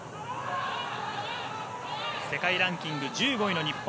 世界ランキング１５位の日本